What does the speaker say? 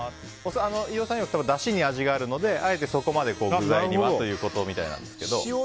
飯尾さんいわくだしに味があるのであえて、そこまで具材にはということみたいですけど。